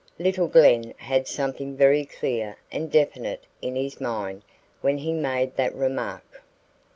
Little Glen had something very clear and definite in his mind when he made that remark.